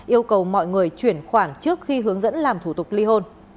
yêu cầu mọi người chuyển khoản trước khi hướng dẫn làm thủ tục ly hôn